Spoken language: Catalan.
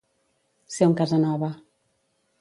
Ser un Casanova.